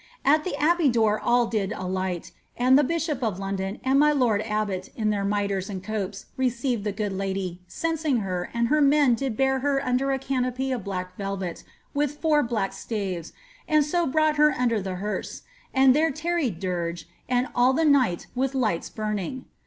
^^At the abbey door all did alight, and the bishop of Lon don and my lord abbot in their mitres and copes received the good lady, censing her, and their men did bear her under a canopy of black velvet, with four black staves, and so brought her under the herse, and there tarried dirge, and all the night with lights burning.